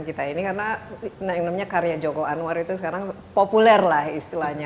nah ini penting karena saya ingin perbincangan kita ini karena karya joko anwar itu sekarang populer lah istilahnya